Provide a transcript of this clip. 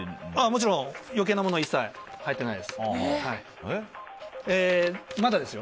もちろん、余計なものは一切入ってないです。